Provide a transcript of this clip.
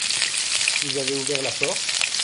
Vous avez ouvert la porte ?